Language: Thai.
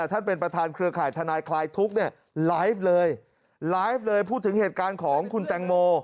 ท่านเป็นประธานเครือข่ายทนายคลายทุกข์ไลฟ์เลยพูดถึงเหตุการณ์ของคุณแต่งโม